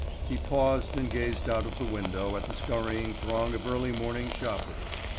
He paused and gazed out of the window at the scurrying throng of early morning shoppers.